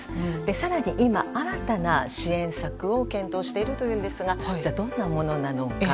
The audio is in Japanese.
更に今、新たな支援策を検討しているといいますがどんなものなのか。